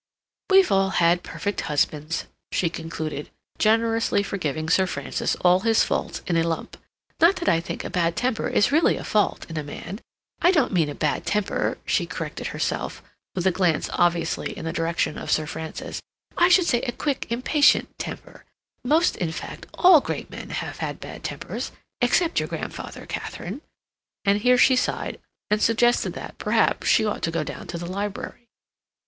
"We've all had perfect husbands," she concluded, generously forgiving Sir Francis all his faults in a lump. "Not that I think a bad temper is really a fault in a man. I don't mean a bad temper," she corrected herself, with a glance obviously in the direction of Sir Francis. "I should say a quick, impatient temper. Most, in fact all great men have had bad tempers—except your grandfather, Katharine," and here she sighed, and suggested that, perhaps, she ought to go down to the library.